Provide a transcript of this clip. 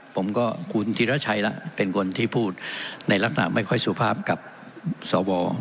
ผมก็คุณธิรชัยละเป็นคนที่พูดในลักษณะไม่ค่อยสุภาพกับสว